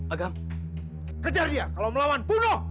agam kejar dia kalau melawan bunuh